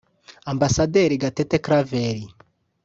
Ambasaderi Gatete Claver